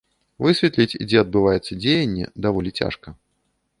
Высветліць, дзе адбываецца дзеянне, даволі цяжка.